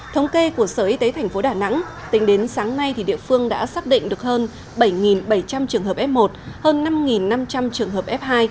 thống kê của sở y tế tp đà nẵng tính đến sáng nay địa phương đã xác định được hơn bảy bảy trăm linh trường hợp f một hơn năm năm trăm linh trường hợp f hai